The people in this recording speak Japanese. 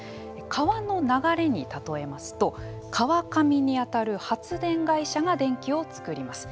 川の流れに例えますと川上に当たる発電会社が電気をつくります。